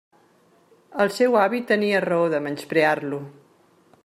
El seu avi tenia raó de menysprear-lo.